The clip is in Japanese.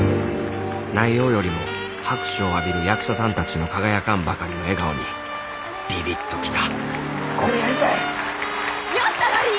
内容よりも拍手を浴びる役者さんたちの輝かんばかりの笑顔にビビッと来たこれやりたい！